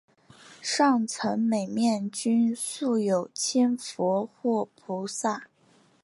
上层每面均塑有千佛或菩萨。